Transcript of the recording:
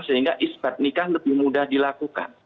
sehingga isbat nikah lebih mudah dilakukan